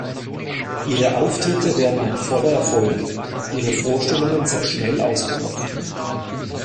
Ihre Auftritte werden ein voller Erfolg, ihre Vorstellungen sind schnell ausverkauft.